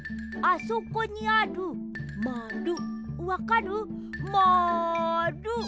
あそこにあるまるわかる？まる！